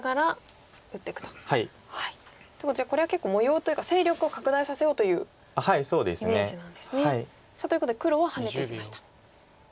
ということはこれは結構模様というか勢力を拡大させようというイメージなんですね。ということで黒はハネていきました。